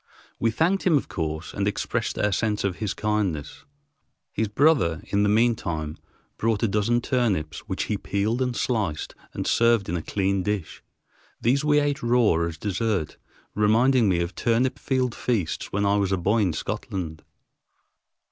We thanked him, of course, and expressed our sense of his kindness. His brother, in the mean time, brought a dozen turnips, which he peeled and sliced and served in a clean dish. These we ate raw as dessert, reminding me of turnip field feasts when I was a boy in Scotland.